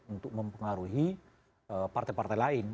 untuk mempengaruhi partai partai lain